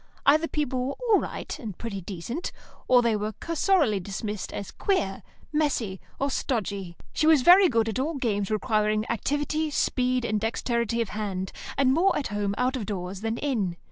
Either people were "all right," and "pretty decent," or they were cursorily dismissed as "queer," "messy," or "stodgy." She was very good at all games requiring activity, speed, and dexterity of hand, and more at home out of doors than in.